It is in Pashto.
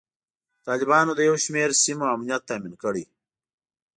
طالبانو د یو شمیر سیمو امنیت تامین کړی.